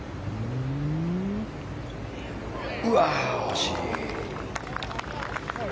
うわあ、惜しい。